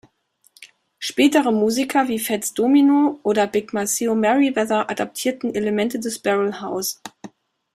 Spätere Musiker wie Fats Domino oder Big Maceo Merriweather adaptierten Elemente des Barrelhouse.